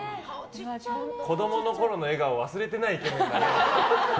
子供のころの笑顔を忘れてないイケメンだね。